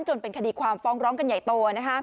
จนเป็นคดีความฟ้องร้องกันใหญ่โต